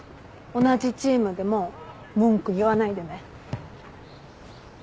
同じチームでも文句言わないでね。